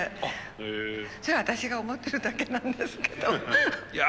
それは私が思ってるだけなんですけどいや